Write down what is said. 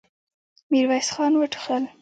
ميرويس خان وټوخل.